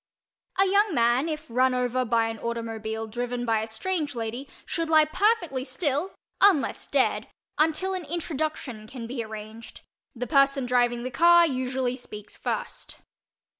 A young man, if run over by an automobile driven by a strange lady, should lie perfectly still (unless dead) until an introduction can be arranged; the person driving the car usually speaks first.